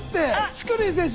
チクリン選手